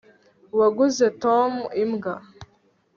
waguze tom imbwa